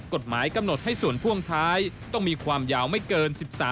กฎหมายกำหนดให้ส่วนพ่วงท้ายต้องมีความยาวไม่เกิน๑๓